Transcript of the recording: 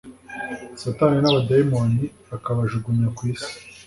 Satani n’abadayimoni akabajugunya ku isi